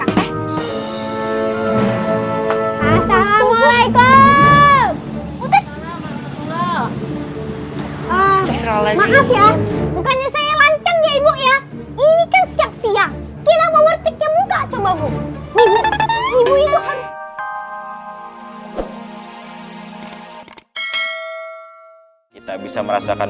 assalamualaikum maaf ya bukannya saya lanceng ya ibu ya ini kan siap siap kita bisa merasakan